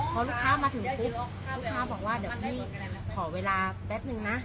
พอลูกค้ามาถึงปุ๊บลูกค้าบอกว่าเดี๋ยวให้ขอเวลาแป๊บนึงนะ